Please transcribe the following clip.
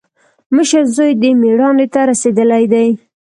مشر زوی دې مېړانې ته رسېدلی دی.